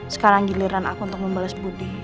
sekarang giliran aku untuk membalas budi